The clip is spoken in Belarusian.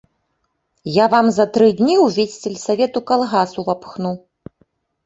Я вам за тры дні ўвесь сельсавет у калгас увапхну.